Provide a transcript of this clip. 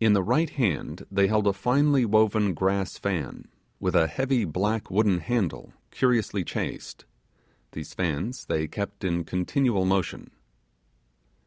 In the right hand they held a finely woven grass fan, with a heavy black wooden handle curiously chased: these fans they kept in continual motion.